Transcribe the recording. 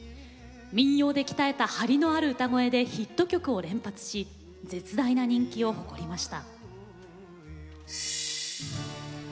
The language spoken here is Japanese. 民謡で鍛えたハリのある歌声でヒット曲を連発し絶大な人気を誇りました。